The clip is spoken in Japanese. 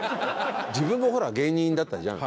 自分もほら芸人だったじゃん？